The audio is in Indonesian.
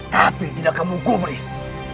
tapi tidak kamu kumris